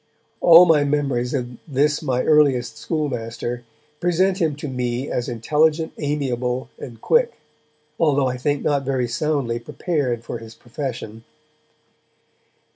(All my memories of this my earliest schoolmaster present him to me as intelligent, amiable and quick, although I think not very soundly prepared for his profession.)